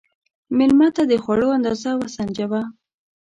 مېلمه ته د خوړو اندازه وسنجوه.